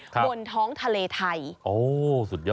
บนท้องทะเลไทย